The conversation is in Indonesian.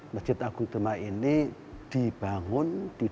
masjid agung demak ini dibangun didirikan